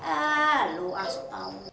ah lu asal tahu